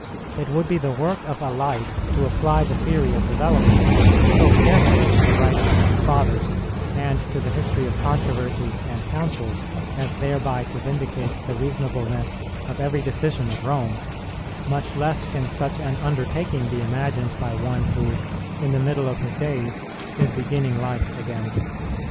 It would be the work of a life to apply the Theory of Developments so carefully to the writings of the Fathers, and to the history of controversies and councils, as thereby to vindicate the reasonableness of every decision of Rome; much less can such an undertaking be imagined by one who, in the middle of his days, is beginning life again.